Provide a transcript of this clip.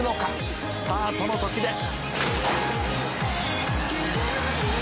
「スタートの時です」